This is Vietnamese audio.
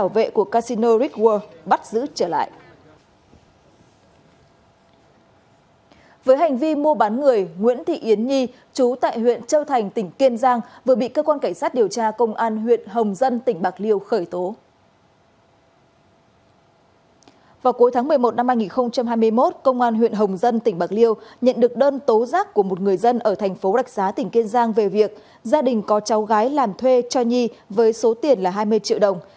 vào cuối tháng một mươi một năm hai nghìn hai mươi một công an huyện hồng dân tỉnh bạc liêu nhận được đơn tố giác của một người dân ở thành phố đặc giá tỉnh kiên giang về việc gia đình có cháu gái làm thuê cho nhi với số tiền là hai mươi triệu đồng